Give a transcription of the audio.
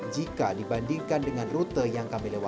jika dibandingkan dengan rute yang kami lewat